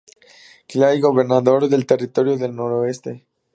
Clair, gobernador del Territorio del Noroeste.